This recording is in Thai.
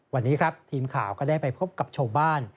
วันนี้ครับทีมข่าวก็ได้ไปพบกับชาวบ้าน